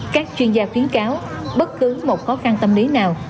các chuyên gia khuyến cáo bất cứ một khó khăn tâm lý nào